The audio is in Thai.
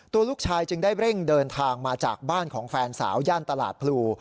ตัวลูกชายจึงได้เร่งเดินทางมาจากบ้านของแฟนสาวย่านตลาดพลู